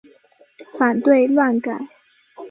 反对乱改！